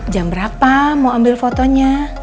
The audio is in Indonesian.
jam berapa mau ambil fotonya